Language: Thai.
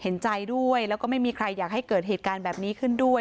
เห็นใจด้วยแล้วก็ไม่มีใครอยากให้เกิดเหตุการณ์แบบนี้ขึ้นด้วย